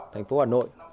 thành phố hà nội